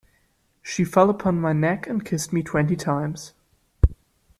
She fell upon my neck and kissed me twenty times.